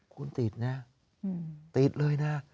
คุณติดนะติดเลยนะ